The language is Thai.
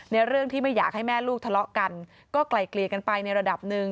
เรื่องที่ไม่อยากให้แม่ลูกทะเลาะกันก็ไกลเกลี่ยกันไปในระดับหนึ่ง